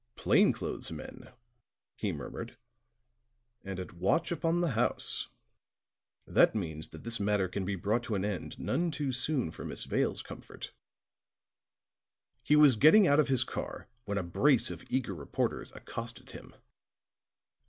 "Plain clothes men," he murmured, "and at watch upon the house. That means that this matter can be brought to an end none too soon for Miss Vale's comfort." He was getting out of his car when a brace of eager reporters accosted him.